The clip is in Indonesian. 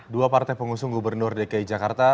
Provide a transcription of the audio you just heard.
dua partai pengusung gubernur dki jakarta